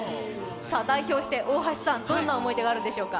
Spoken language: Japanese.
代表して大橋さん、どんな思いがあるのでしょうか。